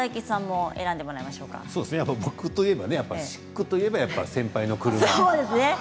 僕といえばシックといえば先輩のこちらですよね。